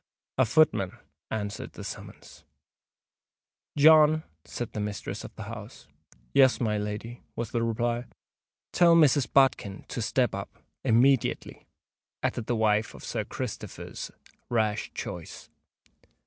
A footman answered the summons. "John!" said the mistress of the house. "Yes, my lady," was the reply. "Tell Mrs. Bodkin to step up—immediately," added the wife of Sir Christopher's rash choice.